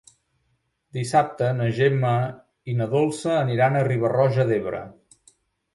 Dissabte na Gemma i na Dolça aniran a Riba-roja d'Ebre.